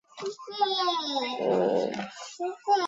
叶锡安曾任孖士打律师行主席及首席合夥人。